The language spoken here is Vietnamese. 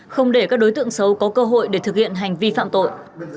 không để các đối tượng xấu có cơ hội để thực hiện hành vi phạm tội